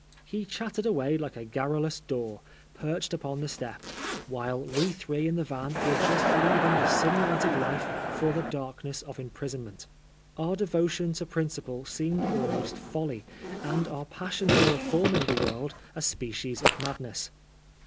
He chattered away like a garrulous daw, perched upon the step ; while we three in the van were just leaving the sunlight of life for the darkness of im prisonment. Our devotion to principle seemed almost folly, and our passion for reforming the world a species of madness.